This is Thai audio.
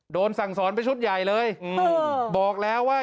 โดนสั่งสอนไปชุดใหญ่เลยบอกแล้วว่า